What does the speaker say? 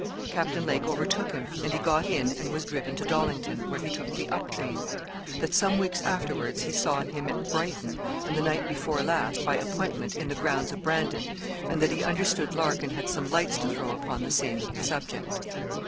Captain Lake overtook him, and he got in and was driven to Dollington, where he took the up train. That some weeks afterwards he saw him at Brighton; and the night before last, by appointment, in the grounds of Brandon; and that he understood Larkin had some lights to throw upon the same subject.